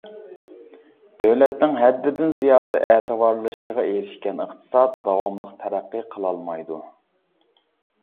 دۆلەتنىڭ ھەددىدىن زىيادە ئەتىۋارلىشىشىغا ئېرىشكەن ئىقتىساد داۋاملىق تەرەققىي قىلالمايدۇ.